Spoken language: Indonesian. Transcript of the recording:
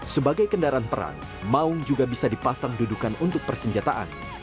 sebagai kendaraan perang maung juga bisa dipasang dudukan untuk persenjataan